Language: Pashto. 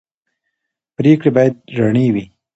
پرېکړې باید رڼې وي